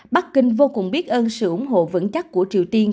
bắc kinh vô cùng biết ơn sự ủng hộ vững chắc của triều tiên